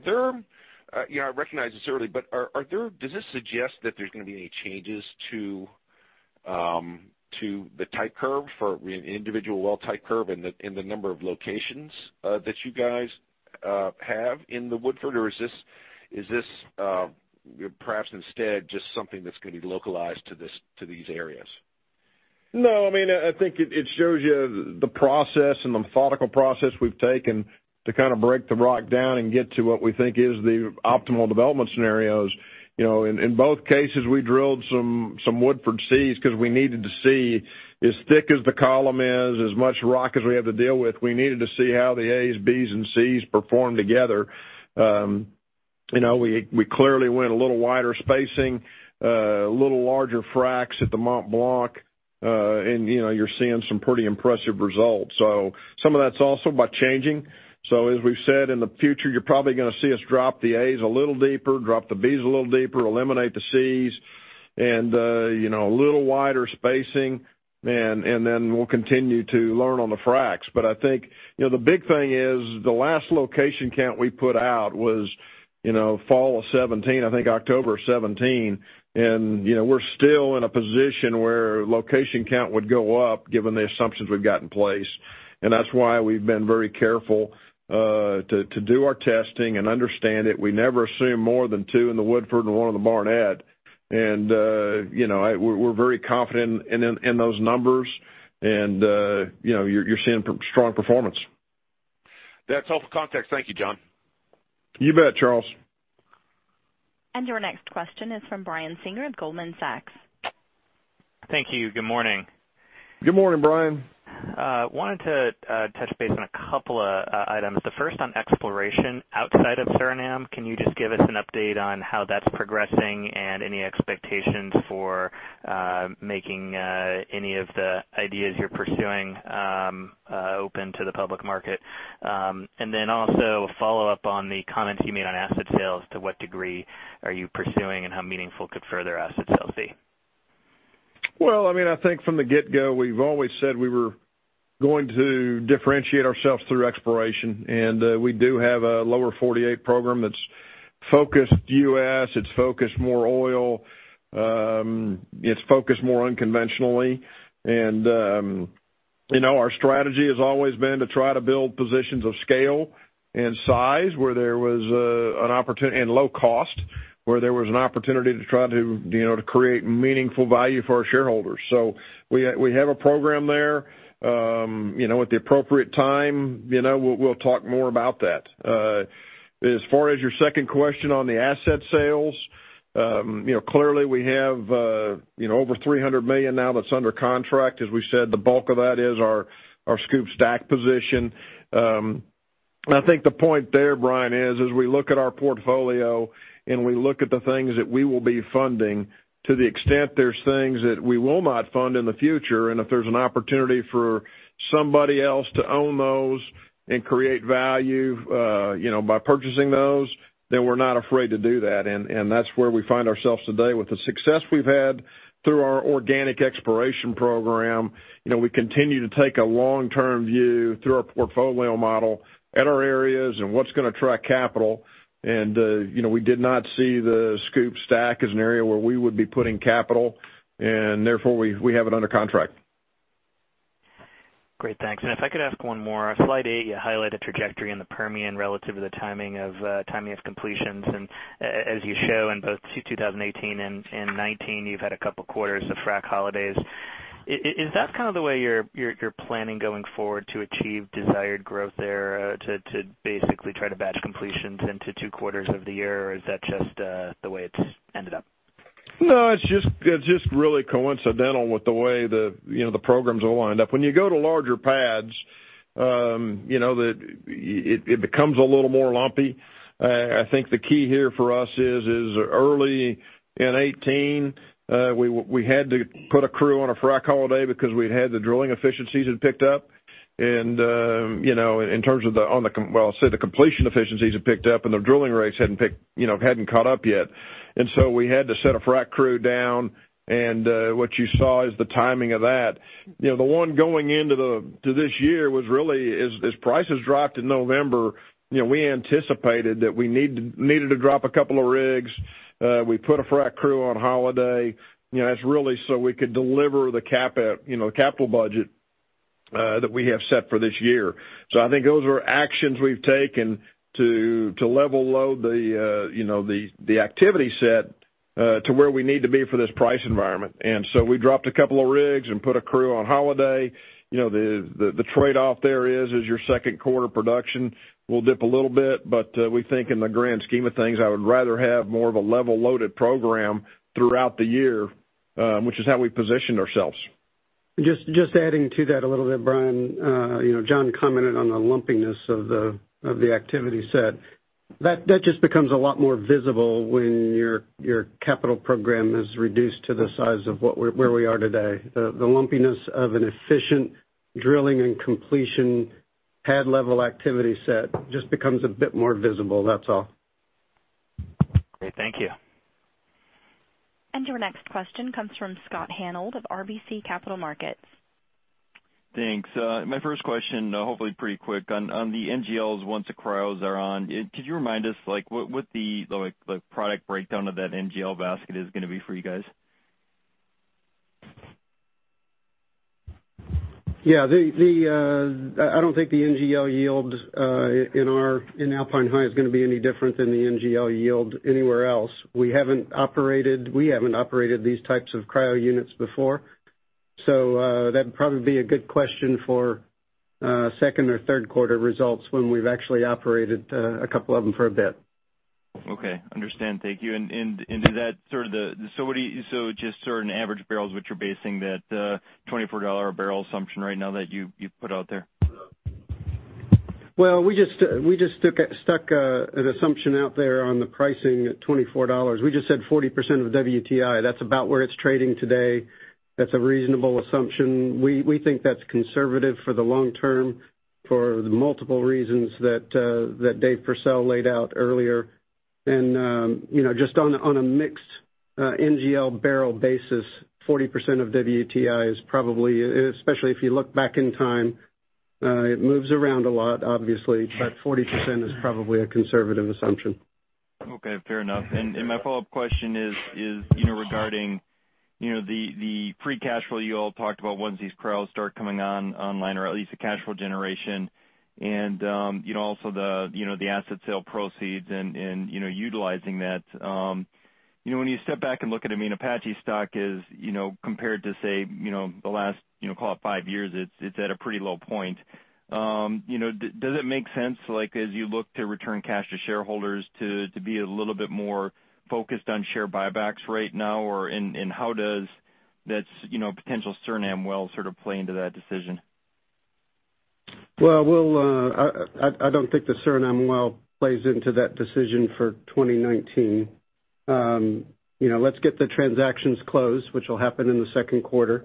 S12: recognize this early, but does this suggest that there's going to be any changes to the type curve for individual well type curve in the number of locations that you guys have in the Woodford? Or is this perhaps instead just something that's going to be localized to these areas?
S3: No, I think it shows you the process and the methodical process we've taken to kind of break the rock down and get to what we think is the optimal development scenarios. In both cases, we drilled some Woodford Cs because we needed to see as thick as the column is, as much rock as we have to deal with, we needed to see how the As, Bs, and Cs perform together. We clearly went a little wider spacing, a little larger fracs at the Mont Blanc, and you're seeing some pretty impressive results. Some of that's also about changing. As we've said, in the future, you're probably going to see us drop the As a little deeper, drop the Bs a little deeper, eliminate the Cs, and a little wider spacing, and then we'll continue to learn on the fracs. I think the big thing is the last location count we put out was fall of 2017, I think October 2017, and we're still in a position where location count would go up given the assumptions we've got in place. That's why we've been very careful to do our testing and understand it. We never assume more than two in the Woodford and one in the Barnett. We're very confident in those numbers. You're seeing strong performance.
S12: That's helpful context. Thank you, John.
S3: You bet, Charles.
S1: Your next question is from Brian Singer at Goldman Sachs.
S13: Thank you. Good morning.
S3: Good morning, Brian.
S13: I wanted to touch base on a couple of items. The first on exploration outside of Suriname. Can you just give us an update on how that's progressing and any expectations for making any of the ideas you're pursuing open to the public market? Then also a follow-up on the comments you made on asset sales. To what degree are you pursuing, and how meaningful could further asset sales be?
S3: Well, I think from the get-go, we've always said we were going to differentiate ourselves through exploration. We do have a lower 48 program that's focused U.S., it's focused more oil, it's focused more unconventionally. Our strategy has always been to try to build positions of scale and size and low cost, where there was an opportunity to try to create meaningful value for our shareholders. We have a program there. At the appropriate time, we'll talk more about that. As far as your second question on the asset sales, clearly we have over $300 million now that's under contract. As we said, the bulk of that is our SCOOP/STACK position. I think the point there, Brian is, as we look at our portfolio and we look at the things that we will be funding, to the extent there's things that we will not fund in the future, if there's an opportunity for somebody else to own those and create value by purchasing those, we're not afraid to do that. That's where we find ourselves today. With the success we've had through our organic exploration program, we continue to take a long-term view through our portfolio model at our areas and what's going to attract capital. We did not see the SCOOP/STACK as an area where we would be putting capital, and therefore we have it under contract.
S13: If I could ask one more. Slide eight, you highlight a trajectory in the Permian relative to the timing of completions. As you show in both 2018 and 2019, you've had a couple of quarters of frac holidays. Is that the way you're planning going forward to achieve desired growth there to basically try to batch completions into two quarters of the year? Or is that just the way it's ended up?
S3: No, it's just really coincidental with the way the programs all lined up. When you go to larger pads, it becomes a little more lumpy. I think the key here for us is early in 2018, we had to put a crew on a frac holiday because we'd had the drilling efficiencies had picked up. In terms of well, say the completion efficiencies had picked up, and the drilling rates hadn't caught up yet. We had to set a frac crew down, and what you saw is the timing of that. The one going into this year was really as prices dropped in November, we anticipated that we needed to drop a couple of rigs. We put a frac crew on holiday. It's really so we could deliver the capital budget that we have set for this year. I think those are actions we've taken to level load the activity set to where we need to be for this price environment. We dropped a couple of rigs and put a crew on holiday. The trade-off there is your second quarter production will dip a little bit, but we think in the grand scheme of things, I would rather have more of a level loaded program throughout the year, which is how we positioned ourselves.
S5: Just adding to that a little bit, Brian. John commented on the lumpiness of the activity set. That just becomes a lot more visible when your capital program is reduced to the size of where we are today. The lumpiness of an efficient drilling and completion pad level activity set just becomes a bit more visible, that's all.
S13: Great. Thank you.
S1: Your next question comes from Scott Hanold of RBC Capital Markets.
S14: Thanks. My first question, hopefully pretty quick. On the NGLs, once the cryos are on, could you remind us what the product breakdown of that NGL basket is going to be for you guys?
S5: Yeah. I don't think the NGL yield in Alpine High is going to be any different than the NGL yield anywhere else. We haven't operated these types of cryo units before, so that would probably be a good question for second or third quarter results when we've actually operated a couple of them for a bit.
S14: Okay. Understand. Thank you. Just certain average Beryl, which you're basing that $24 a barrel assumption right now that you put out there?
S5: Well, we just stuck an assumption out there on the pricing at $24. We just said 40% of WTI. That's about where it's trading today. That's a reasonable assumption. We think that's conservative for the long term for the multiple reasons that Dave Pursell laid out earlier. Just on a mixed NGL barrel basis, 40% of WTI is probably, especially if you look back in time, it moves around a lot, obviously, but 40% is probably a conservative assumption.
S14: Okay, fair enough. My follow-up question is regarding the free cash flow you all talked about once these cryos start coming online, or at least the cash flow generation and also the asset sale proceeds and utilizing that. When you step back and look at Apache stock compared to, say, the last call it five years, it's at a pretty low point. Does it make sense, as you look to return cash to shareholders, to be a little bit more focused on share buybacks right now? How does that potential Suriname well play into that decision?
S3: Well, I don't think the Suriname well plays into that decision for 2019. Let's get the transactions closed, which will happen in the second quarter.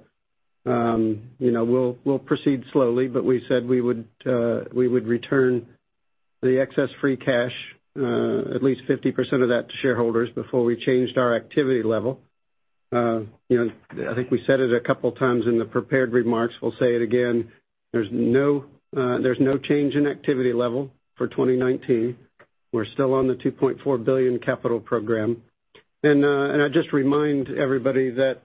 S3: We'll proceed slowly, but we said we would return the excess free cash, at least 50% of that, to shareholders before we changed our activity level. I think we said it a couple of times in the prepared remarks. We'll say it again. There's no change in activity level for 2019. We're still on the $2.4 billion capital program. I just remind everybody that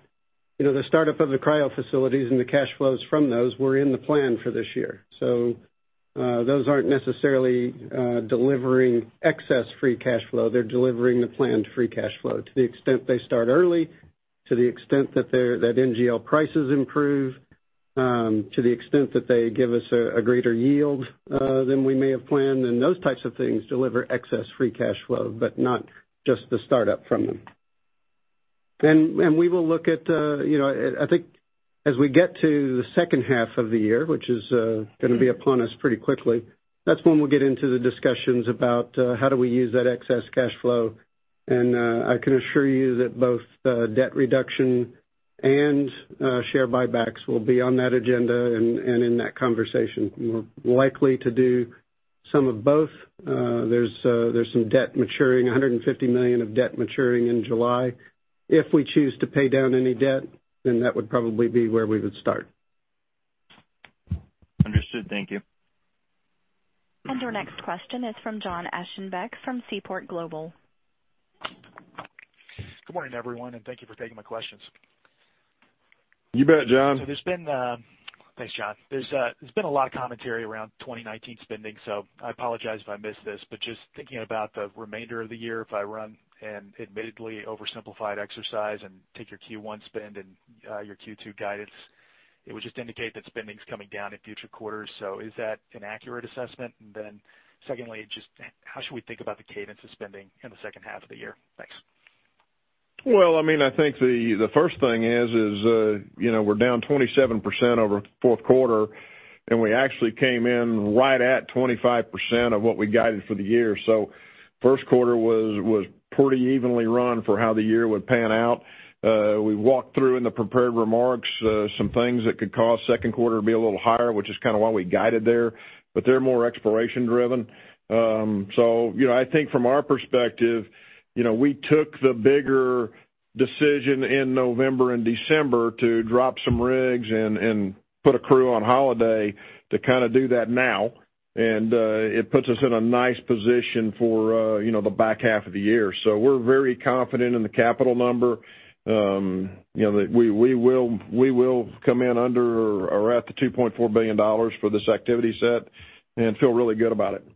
S3: the startup of the cryo facilities and the cash flows from those were in the plan for this year. Those aren't necessarily delivering excess free cash flow. They're delivering the planned free cash flow to the extent they start early, to the extent that NGL prices improve, to the extent that they give us a greater yield than we may have planned, and those types of things deliver excess free cash flow, but not just the startup from them. I think as we get to the second half of the year, which is going to be upon us pretty quickly, that's when we'll get into the discussions about how do we use that excess cash flow. I can assure you that both debt reduction and share buybacks will be on that agenda and in that conversation. We're likely to do some of both. There's some debt maturing, $150 million of debt maturing in July. If we choose to pay down any debt, then that would probably be where we would start.
S14: Understood. Thank you.
S1: Our next question is from John Aschenbeck from Seaport Global.
S15: Good morning, everyone, and thank you for taking my questions.
S3: You bet, John.
S15: Thanks, John. There's been a lot of commentary around 2019 spending, so I apologize if I missed this, but just thinking about the remainder of the year, if I run an admittedly oversimplified exercise and take your Q1 spend and your Q2 guidance, it would just indicate that spending's coming down in future quarters. Is that an accurate assessment? Secondly, just how should we think about the cadence of spending in the second half of the year? Thanks.
S3: Well, I think the first thing is we're down 27% over fourth quarter, and we actually came in right at 25% of what we guided for the year. First quarter was pretty evenly run for how the year would pan out. We walked through in the prepared remarks some things that could cause second quarter to be a little higher, which is kind of why we guided there, but they're more exploration driven. I think from our perspective, we took the bigger decision in November and December to drop some rigs and put a crew on holiday to do that now, and it puts us in a nice position for the back half of the year. We're very confident in the capital number. We will come in under or at the $2.4 billion for this activity set and feel really good about it.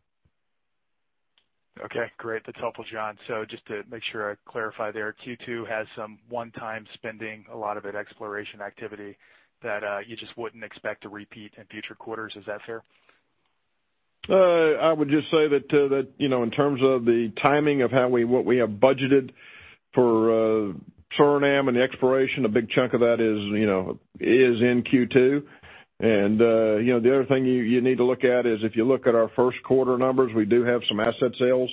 S15: Okay, great. That's helpful, John. Just to make sure I clarify there, Q2 has some one-time spending, a lot of it exploration activity that you just wouldn't expect to repeat in future quarters. Is that fair?
S3: I would just say that in terms of the timing of what we have budgeted for Suriname and the exploration, a big chunk of that is in Q2. The other thing you need to look at is if you look at our first quarter numbers, we do have some asset sales.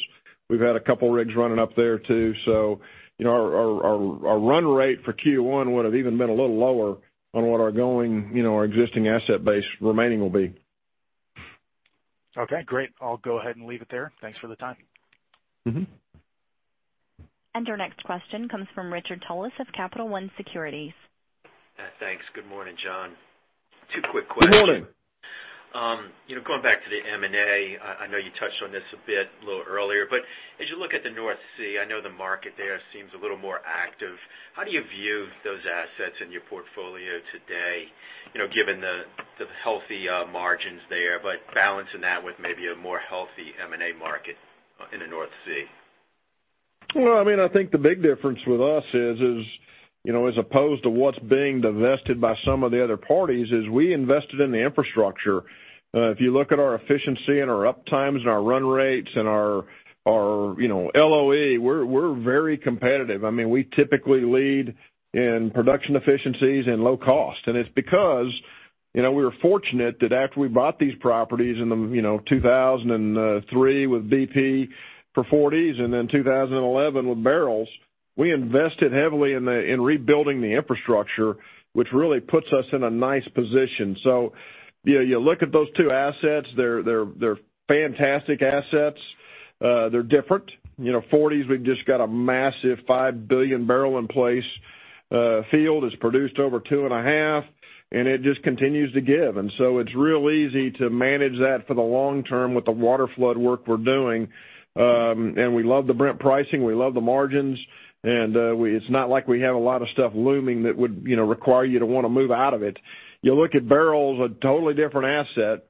S3: We've had a couple of rigs running up there too, so our run rate for Q1 would've even been a little lower on what our existing asset base remaining will be.
S15: Okay, great. I'll go ahead and leave it there. Thanks for the time.
S1: Our next question comes from Richard Tullis of Capital One Securities.
S16: Thanks. Good morning, John. Two quick questions.
S3: Good morning.
S16: Going back to the M&A, I know you touched on this a little earlier, as you look at the North Sea, I know the market there seems a little more active. How do you view those assets in your portfolio today given the healthy margins there, balancing that with maybe a more healthy M&A market in the North Sea?
S3: Well, I think the big difference with us is, as opposed to what's being divested by some of the other parties, is we invested in the infrastructure. If you look at our efficiency and our up times and our run rates and our LOE, we're very competitive. We typically lead in production efficiencies and low cost. It's because we were fortunate that after we bought these properties in 2003 with BP for Forties, then 2011 with Beryl, we invested heavily in rebuilding the infrastructure, which really puts us in a nice position. You look at those two assets, they're fantastic assets. They're different. Forties, we've just got a massive 5 billion barrel in place. A field has produced over two and a half, and it just continues to give. It's real easy to manage that for the long term with the waterflood work we're doing. We love the Brent pricing. We love the margins, it's not like we have a lot of stuff looming that would require you to want to move out of it. You look at Beryl, a totally different asset,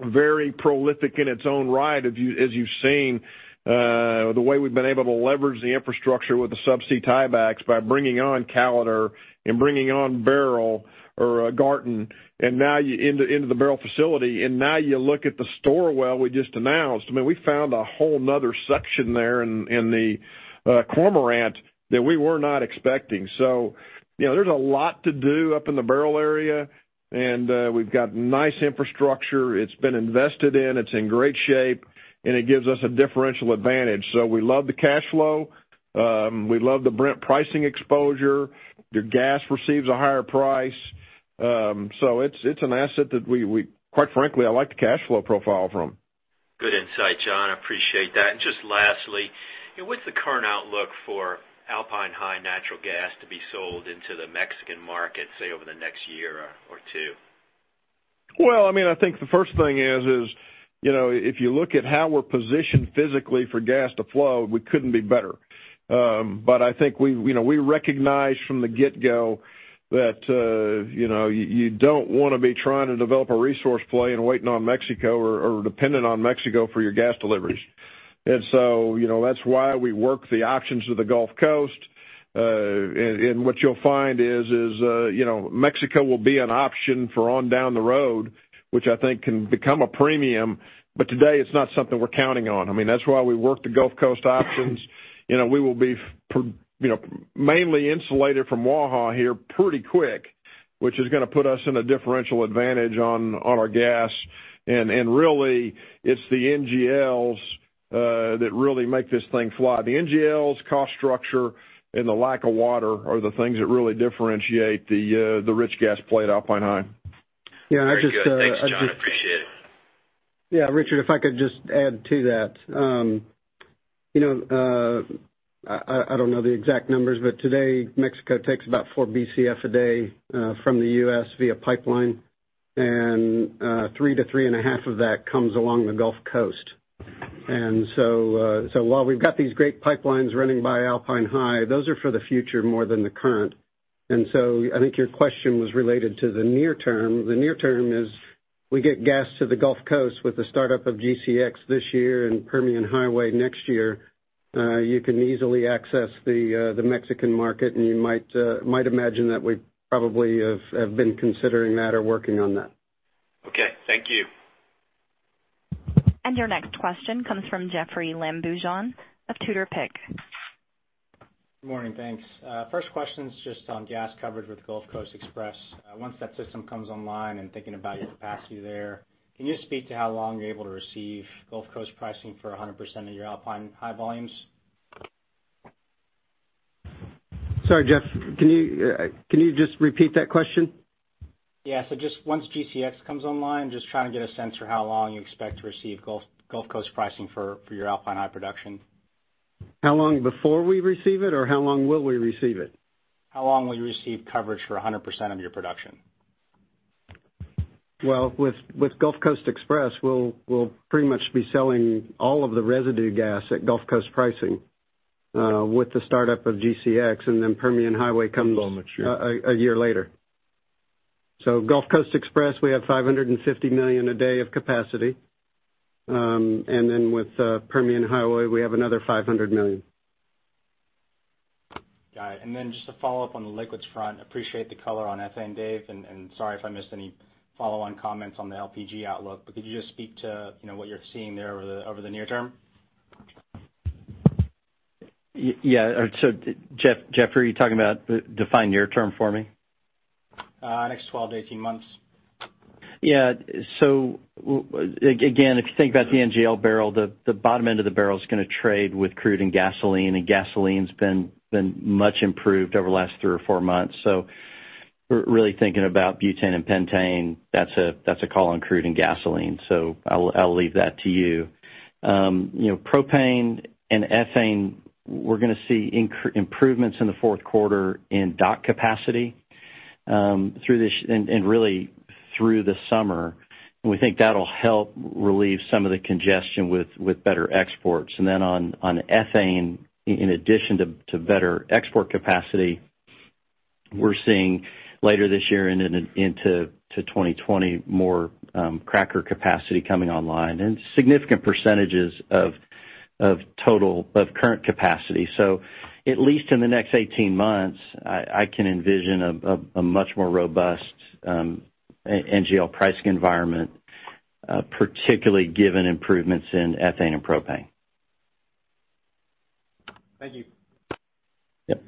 S3: very prolific in its own right as you've seen the way we've been able to leverage the infrastructure with the subsea tiebacks by bringing on Callater and bringing on Beryl or Garten into the Beryl facility. Now you look at the Storr well we just announced, I mean, we found a whole other section there in the Cormorant that we were not expecting. There's a lot to do up in the Beryl area, we've got nice infrastructure. It's been invested in, it's in great shape, it gives us a differential advantage. We love the cash flow. We love the Brent pricing exposure. Your gas receives a higher price. It's an asset that, quite frankly, I like the cash flow profile from.
S16: Good insight, John. I appreciate that. Just lastly, what's the current outlook for Alpine High natural gas to be sold into the Mexican market, say, over the next year or two?
S3: Well, I think the first thing is, if you look at how we're positioned physically for gas to flow, we couldn't be better. I think we recognized from the get-go that you don't want to be trying to develop a resource play and waiting on Mexico or dependent on Mexico for your gas deliveries. That's why we work the options of the Gulf Coast. What you'll find is Mexico will be an option for on down the road, which I think can become a premium, but today it's not something we're counting on. That's why we work the Gulf Coast options. We will be mainly insulated from Waha here pretty quick, which is going to put us in a differential advantage on our gas. Really, it's the NGLs that really make this thing fly. The NGLs cost structure and the lack of water are the things that really differentiate the rich gas play at Alpine High.
S16: Very good. Thanks, John. I appreciate it.
S5: Yeah, Richard, if I could just add to that. I don't know the exact numbers, but today Mexico takes about four BCF a day from the U.S. via pipeline, and three to three and a half of that comes along the Gulf Coast. While we've got these great pipelines running by Alpine High, those are for the future more than the current. I think your question was related to the near term. The near term is we get gas to the Gulf Coast with the startup of GCX this year and Permian Highway next year. You can easily access the Mexican market, and you might imagine that we probably have been considering that or working on that.
S16: Okay. Thank you.
S1: Your next question comes from Jeoffrey Lambujon of Tudor Pick.
S17: Good morning. Thanks. First question is just on gas coverage with Gulf Coast Express. Once that system comes online and thinking about your capacity there, can you speak to how long you're able to receive Gulf Coast pricing for 100% of your Alpine high volumes?
S5: Sorry, Jeff, can you just repeat that question?
S17: Yeah. Just once GCX comes online, just trying to get a sense for how long you expect to receive Gulf Coast pricing for your Alpine high production.
S5: How long before we receive it or how long will we receive it?
S17: How long will you receive coverage for 100% of your production?
S5: With Gulf Coast Express, we'll pretty much be selling all of the residue gas at Gulf Coast pricing with the startup of GCX, then Permian Highway comes-
S3: Will mature
S5: a year later. Gulf Coast Express, we have 550 million a day of capacity. With Permian Highway, we have another 500 million.
S17: Got it. Just a follow-up on the liquids front. Appreciate the color on ethane, Dave, and sorry if I missed any follow-on comments on the LPG outlook, could you just speak to what you're seeing there over the near term?
S3: Yeah. Jeoffrey, define near term for me.
S17: Next 12-18 months.
S3: Yeah. Again, if you think about the NGL barrel, the bottom end of the barrel's going to trade with crude and gasoline's been much improved over the last three or four months. We're really thinking about butane and pentane. That's a call on crude and gasoline. I'll leave that to you. Propane and ethane, we're going to see improvements in the fourth quarter in dock capacity and really through the summer. We think that'll help relieve some of the congestion with better exports. Then on ethane, in addition to better export capacity, we're seeing later this year and into 2020, more cracker capacity coming online and significant percentages of current capacity. At least in the next 18 months, I can envision a much more robust NGL pricing environment, particularly given improvements in ethane and propane.
S17: Thank you.
S3: Yep.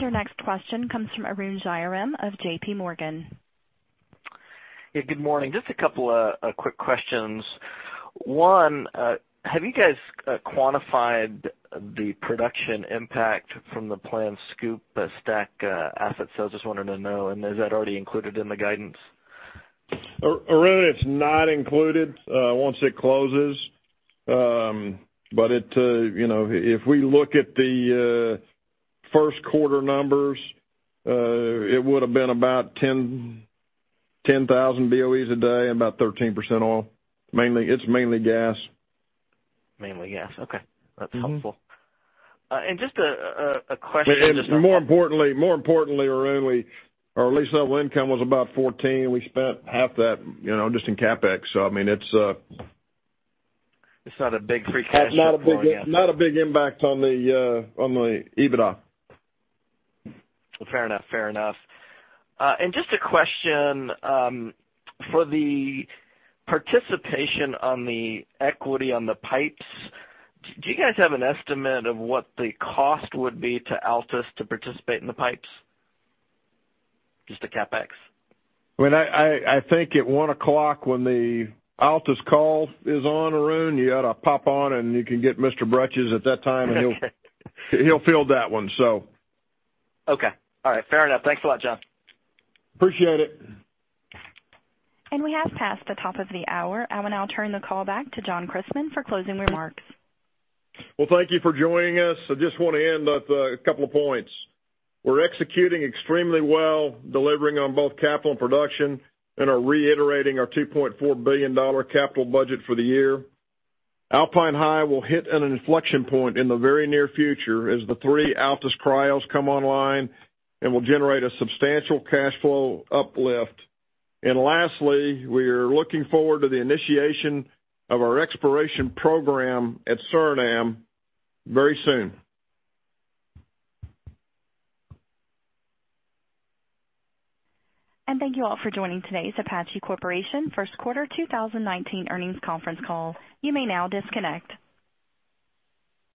S1: Your next question comes from Arun Jayaram of JPMorgan.
S18: Good morning. Just a couple of quick questions. One, have you guys quantified the production impact from the planned SCOOP/STACK asset sales? Just wanted to know, is that already included in the guidance?
S3: Arun, it's not included once it closes. If we look at the first quarter numbers, it would've been about 10,000 BOEs a day and about 13% oil. It's mainly gas.
S18: Mainly gas. Okay. That's helpful. Just a question-
S3: More importantly, Arun, our lease level income was about $14. We spent half that just in CapEx. I mean, it's-
S18: It's not a big free cash flow for you.
S3: Not a big impact on the EBITDA.
S18: Fair enough. Just a question, for the participation on the equity on the pipes, do you guys have an estimate of what the cost would be to Altus to participate in the pipes? Just the CapEx.
S3: I think at 1:00 when the Altus call is on, Arun, you ought to pop on and you can get Mr. Bretches at that time and he'll field that one, so.
S18: Okay. All right. Fair enough. Thanks a lot, John.
S3: Appreciate it.
S1: We have passed the top of the hour. I will now turn the call back to John Christmann for closing remarks.
S3: Well, thank you for joining us. I just want to end with a couple of points. We're executing extremely well, delivering on both capital and production, and are reiterating our $2.4 billion capital budget for the year. Alpine High will hit an inflection point in the very near future as the three Altus cryos come online, will generate a substantial cash flow uplift. Lastly, we are looking forward to the initiation of our exploration program at Suriname very soon.
S1: Thank you all for joining today's Apache Corporation first quarter 2019 earnings conference call. You may now disconnect.